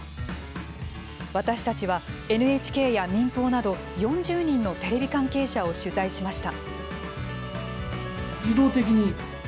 私たちは、ＮＨＫや民放など４０人のテレビ関係者を取材しました。